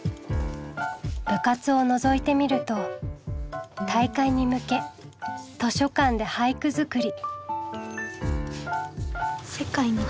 部活をのぞいてみると大会に向け図書館で俳句作り。